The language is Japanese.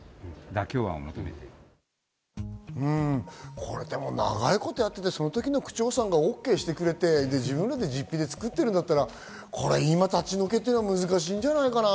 これ長いことやってて、その時の区長さんがＯＫしてくれて、自分らで実費でつくってるんだったら、今、立ち退けというのは難しいんじゃないかな？